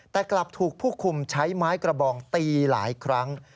แต่กลับถูกผู้คุมใช้ไม้กระบองตีหลายครั้ง